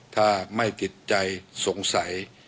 ถ้าไม่ติดใจสงสัย